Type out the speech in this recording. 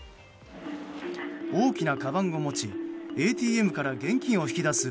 大きなかばんを持ちＡＴＭから現金を引き出す